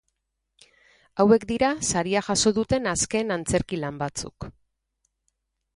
Hauek dira saria jaso duten azken antzerki-lan batzuk.